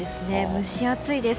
蒸し暑いです。